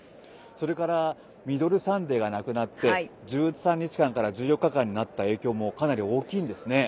それからミドルサンデーがなくなって１３日間から１４日間になった影響もかなり大きいんですね。